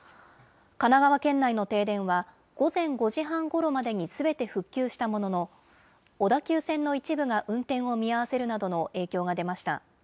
神奈川県内の停電は、午前５時半ごろまでにすべて復旧したものの、小田急線の一部が運転を見合わせるなどの影響が出ました。